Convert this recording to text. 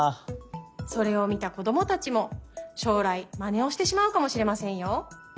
それをみたこどもたちもしょうらいまねをしてしまうかもしれませんよ。